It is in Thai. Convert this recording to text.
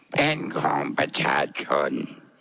เป็นของประชาชน์